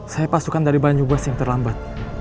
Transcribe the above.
saya pasukan dari banyu bas yang terlambat